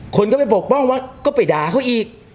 คนก็ไปปกป้องวัดก็ไปด่าเขาอีก